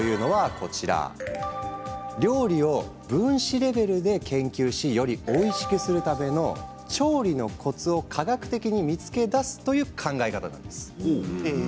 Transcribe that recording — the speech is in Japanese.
料理を分子レベルで研究しより、おいしくするための調理のコツを科学的に見つけ出すという考え方です。